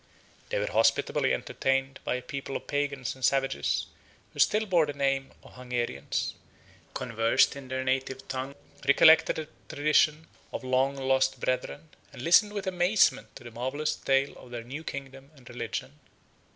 They were hospitably entertained by a people of Pagans and Savages who still bore the name of Hungarians; conversed in their native tongue, recollected a tradition of their long lost brethren, and listened with amazement to the marvellous tale of their new kingdom and religion.